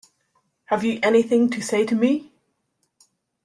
Have you anything to say to me?